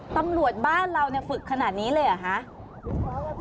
ตำรวจบ้านเราฝึกขนาดนี้เลยเหรอคะ